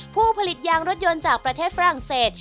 ผู้ผลิตยางรถยนต์จากประเทศฝรั่งเศส